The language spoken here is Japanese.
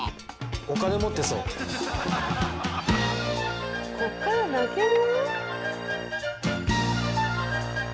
お金持ってそうこっから泣ける？